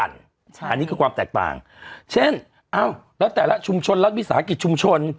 อันนี้คือความแตกต่างเช่นอ้าวแล้วแต่ละชุมชนรัฐวิสาหกิจชุมชน